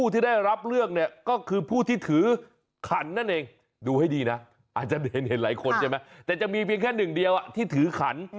แต่แค่หนึ่งเดียวที่ถือขัน